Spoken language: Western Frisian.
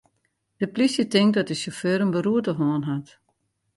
De plysje tinkt dat de sjauffeur in beroerte hân hat.